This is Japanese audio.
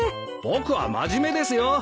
僕は真面目ですよ。